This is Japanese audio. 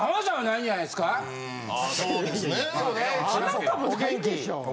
いやいやあなたも元気でしょ。